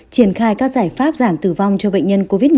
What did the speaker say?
triển khai các giải pháp giảm tử vong cho bệnh nhân covid một mươi chín